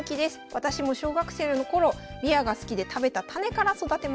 私も小学生の頃びわが好きで食べた種から育てました。